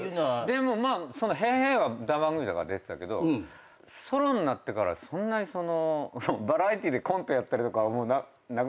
でもまあ『ＨＥＹ！ＨＥＹ！』は歌番組だから出てたけどソロになってからそんなにバラエティーでコントやったりとかはなくなってたから。